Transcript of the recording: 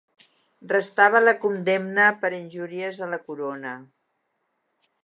Restava la condemna per injúries a la corona.